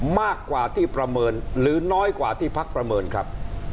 มากกว่าที่ประเมินหรือน้อยกว่าที่พักประเมินครับ